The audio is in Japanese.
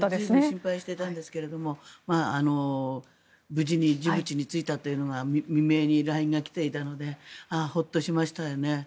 心配してたんですけども無事にジブチに着いたというのが未明にＬＩＮＥが来ていたのでホッとしましたよね。